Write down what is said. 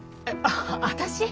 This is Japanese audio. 私？